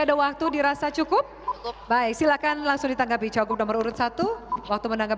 ada waktu dirasa cukup baik silakan langsung ditanggapi cagup nomor urut satu waktu menanggap